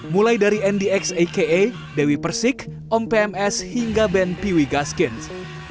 mulai dari ndx aka dewi persik om pms hingga band piwi gaskins